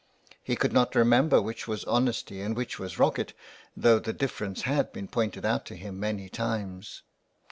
He could not remember which was Honesty and which was Rockit, though the difference had been pointed out to him many times.